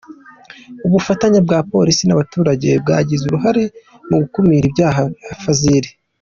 Ubufatanye bwa Polisi n’abaturage bwagize uruhare mu gukumira ibyaha - Fazili